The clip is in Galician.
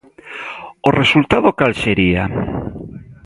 ¿O resultado cal sería?